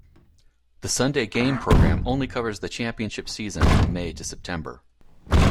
"The Sunday Game" programme only covers the championship season from May to September.